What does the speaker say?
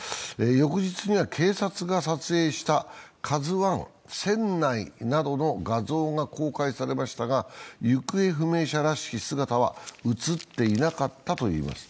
翌日には警察が撮影した「ＫＡＺＵⅠ」船内などの画像が公開されましたが、行方不明者らしき姿は映っていなかったといいます。